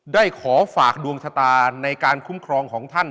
ได้ขอฝากดวงชะตาในการคุ้มครองของท่าน